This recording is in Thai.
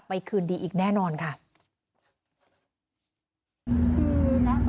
มาตัดสินการทำในชีวิตในตัวนี้ไม่ได้แล้วค่ะ